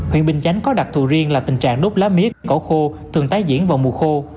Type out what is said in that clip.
huyện bình chánh có đặc thù riêng là tình trạng đốt lá miế cỏ khô thường tái diễn vào mùa khô